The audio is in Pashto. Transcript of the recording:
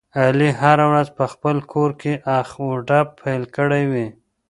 علي هره ورځ په خپل کورکې اخ او ډب پیل کړی وي.